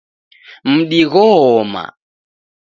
Mdi gho-oma